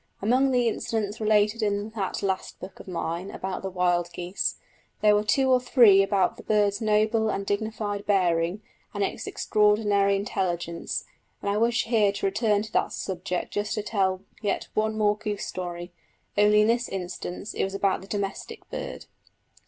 Among the incidents related in that last book of mine about the wild geese, there were two or three about the bird's noble and dignified bearing and its extraordinary intelligence, and I wish here to return to that subject just to tell yet one more goose story: only in this instance it was about the domestic bird.